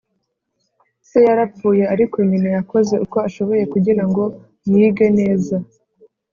se yarapfuye, ariko nyina yakoze uko ashoboye kugira ngo yige neza